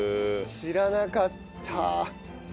知らなかった！